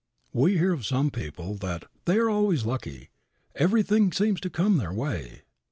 We hear of some people that "they are always lucky"; "everything seems to come their way."